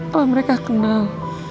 apa mereka kenal